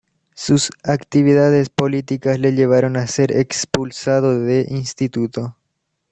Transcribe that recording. Sus actividades políticas le llevaron a ser expulsado de instituto.